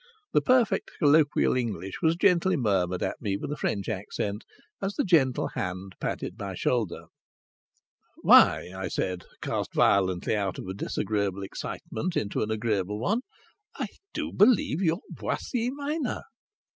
The perfect colloquial English was gently murmured at me with a French accent as the gentle hand patted my shoulder. "Why," I said, cast violently out of a disagreeable excitement into an agreeable one, "I do believe you are Boissy Minor!"